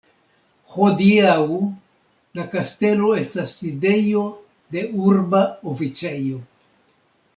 Hodiaŭ la kastelo estas sidejo de urba oficejo.